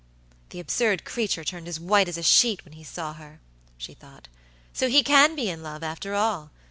"The absurd creature turned as white as a sheet when he saw her," she thought. "So he can be in love, after all.